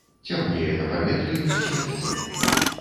Цямнее на паветры і на святле.